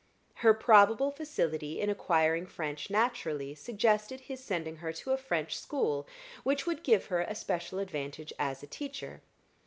Her probable facility in acquiring French naturally suggested his sending her to a French school, which would give her a special advantage as a teacher.